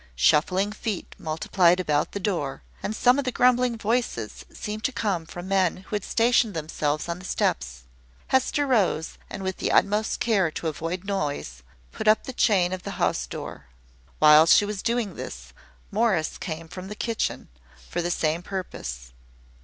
Shuffling feet multiplied about the door; and some of the grumbling voices seemed to come from men who had stationed themselves on the steps. Hester rose, and, with the utmost care to avoid noise, put up the chain of the house door. While she was doing this, Morris came from the kitchen, for the same purpose.